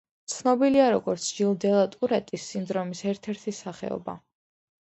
ცნობილია, როგორც ჟილ დე ლა ტურეტის სინდრომის ერთ-ერთი სახეობა.